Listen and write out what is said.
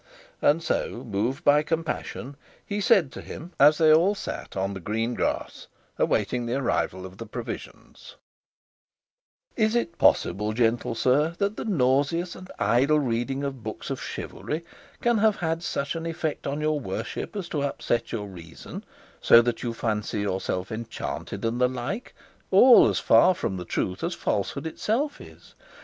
And so, moved by compassion, he said to him, as they all sat on the green grass awaiting the arrival of the provisions: "Is it possible, gentle sir, that the nauseous and idle reading of books of chivalry can have had such an effect on your worship as to upset your reason so that you fancy yourself enchanted, and the like, all as far from the truth as falsehood itself is?